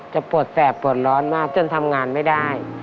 ปวดแสบปวดร้อนมากจนทำงานไม่ได้